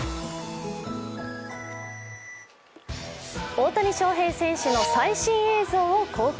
大谷翔平選手の最新映像を公開。